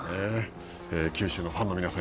九州のファンの皆さん